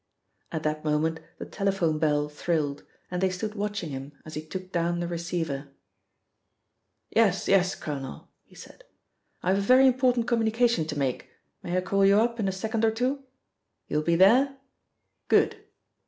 At that moment the telephone bell trilled, and they stood watching him as he took down the receiver. "Yes, yes, colonel," he said. "I have a very important communication to make; may I call you up in a second or two? You will be there? Good."